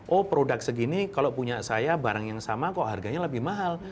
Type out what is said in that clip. oh produk segini kalau punya saya barang yang sama kok harganya lebih mahal